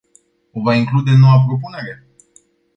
O va include în noua propunere?